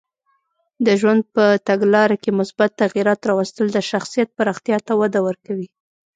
د ژوند په تګلاره کې مثبت تغییرات راوستل د شخصیت پراختیا ته وده ورکوي.